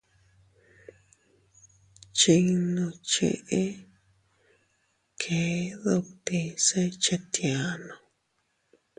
Chinno cheʼe kee dutti se chetiano.